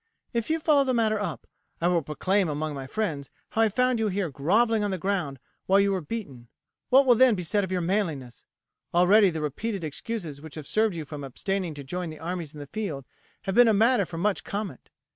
If you follow the matter up, I will proclaim among my friends how I found you here grovelling on the ground while you were beaten. What will then be said of your manliness? Already the repeated excuses which have served you from abstaining to join the armies in the field have been a matter for much comment.